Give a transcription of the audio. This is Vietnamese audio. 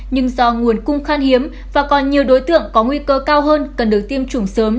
nhưng do nguồn cung khan hiếm và còn nhiều đối tượng có nguy cơ cao hơn cần được tiêm chủng sớm